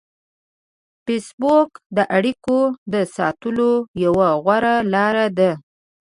فېسبوک د اړیکو د ساتلو یوه غوره لار ده